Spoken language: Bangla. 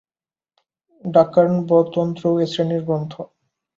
ডাকার্ণবতন্ত্রও এ শ্রেণির গ্রন্থ।